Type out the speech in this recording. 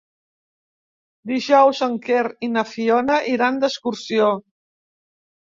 Dijous en Quer i na Fiona iran d'excursió.